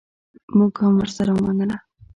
مونږ هم ورسره ومنله.